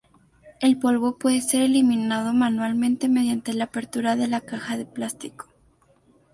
El polvo puede ser eliminado manualmente mediante la apertura de la caja de plástico.